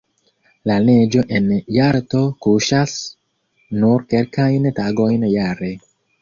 La neĝo en Jalto kuŝas nur kelkajn tagojn jare.